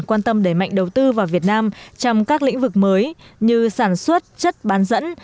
quan tâm đẩy mạnh đầu tư vào việt nam trong các lĩnh vực mới như sản xuất chất bán dẫn